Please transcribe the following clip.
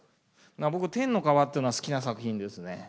僕「貂の皮」っていうのは好きな作品ですね。